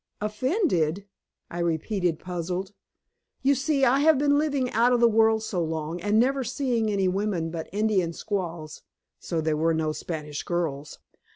"Offended?" I repeated, puzzled. "You see, I have been living out of the world so long, and never seeing any women but Indian squaws" so there were no Spanish girls!